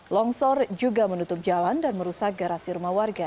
longsor juga menutup jalan dan merusak garasi rumah warga